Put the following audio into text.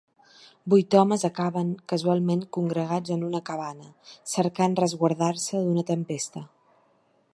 Vuit homes acaben casualment congregats en una cabana, cercant resguardar-se d’una tempesta.